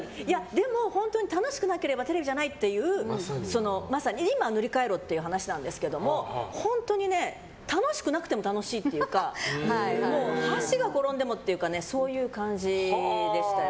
でも、本当に楽しくなければテレビじゃないっていう今塗り替えろって話なんですけど本当にね、楽しくなくても楽しいっていうか箸が転んでもっていうかそういう感じでしたよ。